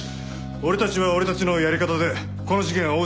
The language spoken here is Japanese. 俺たちは俺たちのやり方でこの事件を追うぞ。